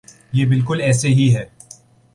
یہ بالکل ایسے ہی ہے۔